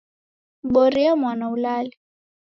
Mborie mwana ulale.